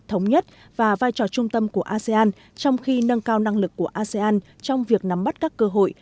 thống nhất và vai trò trung tâm của asean trong khi nâng cao năng lực của asean trong việc nắm bắt các cơ hội